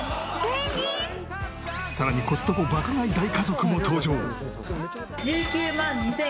さらにコストコ爆買い大家族も登場！